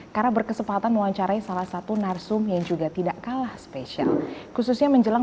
karena berkesempatan melancarai salah satu narsum yang juga tidak kalah spesial khususnya menjelang